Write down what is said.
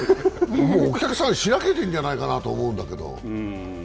お客さんしらけてるんじゃないかと思うけど。